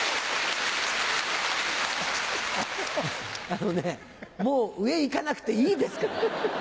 あのねもう上行かなくていいですから！